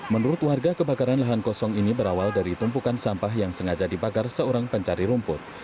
menurut warga kebakaran lahan kosong ini berawal dari tumpukan sampah yang sengaja dibakar seorang pencari rumput